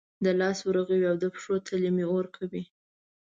د لاسو ورغوي او د پښو تلې مې اور کوي